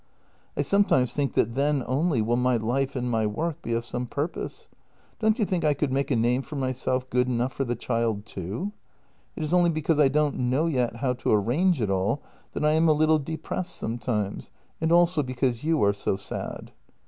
I sometimes think that then only will my life and my work be of some purpose. Don't you think I could make a name for myself good enough for the child too? It is only because I don't know yet how to arrange it all that I am a little depressed sometimes, and also because you are so sad.